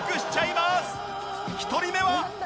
１人目は